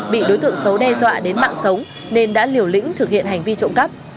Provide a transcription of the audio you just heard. bị đối tượng xấu đe dọa đến mạng sống nên đã liều lĩnh thực hiện hành vi trộm cắp